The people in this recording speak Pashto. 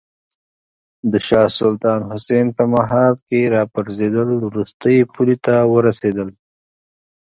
د شاه سلطان حسین په مهال کې راپرزېدل وروستۍ پولې ته ورسېدل.